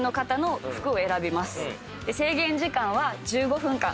制限時間は１５分間。